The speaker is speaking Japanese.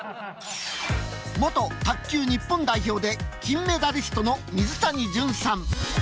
元卓球日本代表で金メダリストの水谷隼さん。